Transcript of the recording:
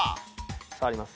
触ります。